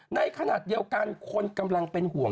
ในขณะเดียวกันคนกำลังเป็นห่วง